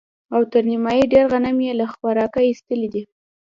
او تر نيمايي ډېر غنم يې له خوراکه ايستلي دي.